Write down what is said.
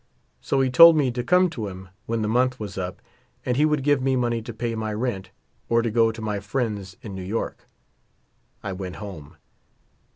So he told me to come to him when the month was up and he would give me money to pay my rent or to go to my friends in New York. I went home.